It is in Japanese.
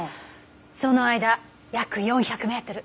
その間約４００メートル。